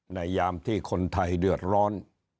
ยามที่คนไทยเดือดร้อน